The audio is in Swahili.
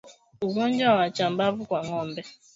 Ugonjwa wa chambavu kwa ngombe